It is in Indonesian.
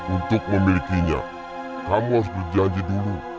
untuk memilikinya kamu harus berjanji dulu